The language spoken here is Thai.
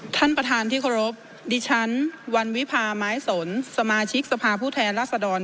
ท่านประธานที่เคารพดิฉันวันวิพาไม้สนสมาชิกสภาผู้แทนรัศดร